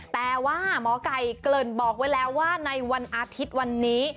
แต่ว่าหมอไก่เกริ่นบอกไว้แล้วว่าในวันอาทิตย์วันนี้